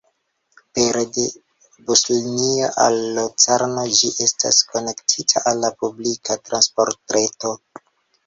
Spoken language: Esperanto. Pere de buslinio al Locarno, ĝi estas konektita al la publika transportreto.